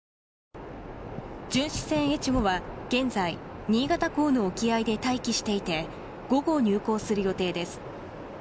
巡視船「えちご」は現在新潟港の沖合で待機していて午後、入港する予定です。